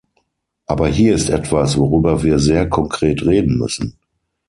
Aber hier ist etwas, worüber wir sehr konkret reden müssen.